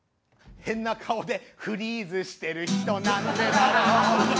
「変な顔でフリーズしてる人なんでだろう」